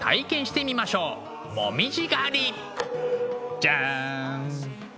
じゃん。